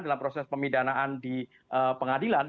dalam proses pemidanaan di pengadilan